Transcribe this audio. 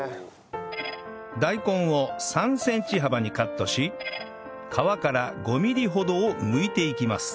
大根を３センチ幅にカットし皮から５ミリほどをむいていきます